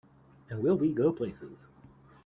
And will we go places!